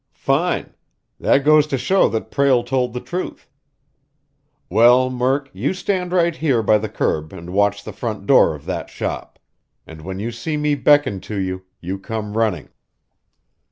"Fine! That goes to show that Prale told the truth. Well, Murk, you stand right here by the curb and watch the front door of that shop. And when you see me beckon to you, you come running."